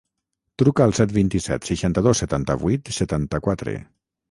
Truca al set, vint-i-set, seixanta-dos, setanta-vuit, setanta-quatre.